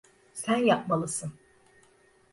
Sen yapmalısın.